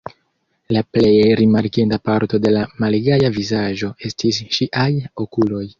La plej rimarkinda parto de la malgaja vizaĝo estis ŝiaj okuloj.